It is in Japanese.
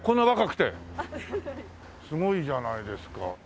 すごいじゃないですか。